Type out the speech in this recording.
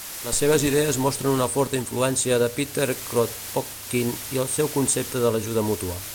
Les seves idees mostren una forta influència de Peter Kropotkin i el seu concepte de l'ajuda mútua.